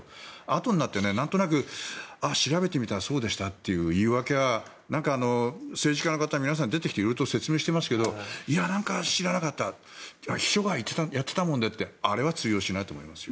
あとになって、なんとなく調べてみたらそうでしたという言い訳は政治家の方、皆さん出てきて色々説明していますがいや、知らなかった秘書がやっていたもんでってあれは通用しないと思います。